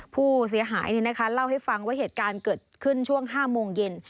ผู้เสียหายเล่าให้ฟังว่าเหตุการณ์เกิดขึ้นช่วง๕โมงเย็น